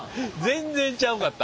全然ちゃうかった。